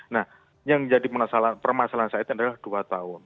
nah yang jadi permasalahan saat ini adalah dua tahun